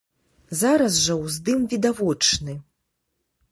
Зараз жа ўздым відавочны.